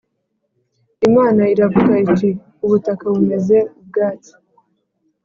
Imana iravuga iti “Ubutaka bumeze ubwatsi